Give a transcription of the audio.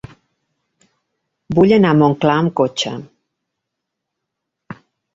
Vull anar a Montclar amb cotxe.